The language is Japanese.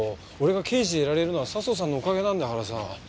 俺が刑事でいられるのは佐相さんのおかげなんだからさ。